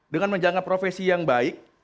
dengan menjaga profesi yang baik